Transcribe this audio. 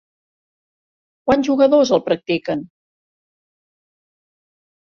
Quants jugadors el practiquen?